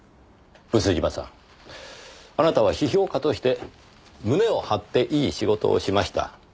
毒島さんあなたは批評家として胸を張っていい仕事をしました。